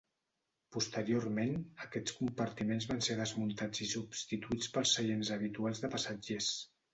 Posteriorment, aquests compartiments van ser desmuntats i substituïts pels seients habituals de passatgers.